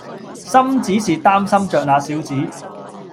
心只是擔心著那小子